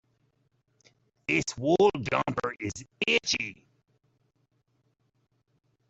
This wool jumper is itchy.